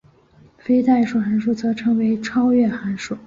非代数函数则称为超越函数。